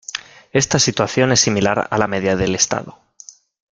Esta situación es similar a la media del estado.